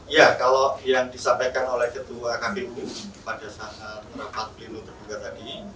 ya kalau yang disampaikan oleh ketua kpu pada saat rapat pleno terbuka tadi